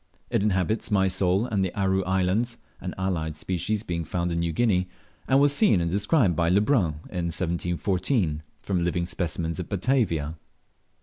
It inhabits Mysol and the Aru Islands (an allied species being found in New Guinea), and was seen and described by Le Brun in 1714, from living specimens at Batavia.